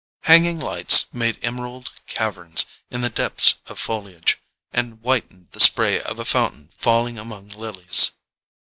Hanging lights made emerald caverns in the depths of foliage, and whitened the spray of a fountain falling among lilies.